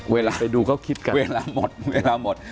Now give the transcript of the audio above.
เวลาไปดูเขาคิดกันเวลาหมดเวลาหมด